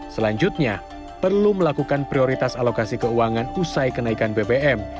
selanjutnya perlu melakukan prioritas alokasi keuangan usai kenaikan bbm